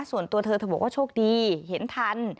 ส่วนตัวเธอเธอบอกว่าโชคดีเห็นทัน